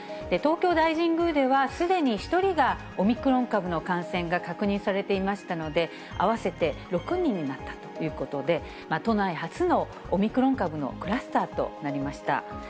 東京大神宮では、すでに１人がオミクロン株の感染が確認されていましたので、合わせて６人になったということで、都内初のオミクロン株のクラスターとなりました。